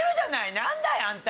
何だいあんた！